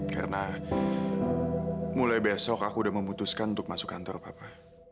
karena mulai besok aku udah memutuskan untuk masuk kantor papa